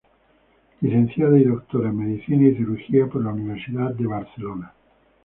Licenciada y doctorada en Medicina y cirugía por la Universidad de Barcelona.